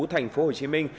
thành phố hồ chí minh